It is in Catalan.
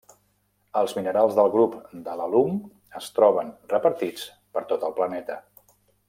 Els minerals del grup de l'alum es troben repartits per tot el planeta.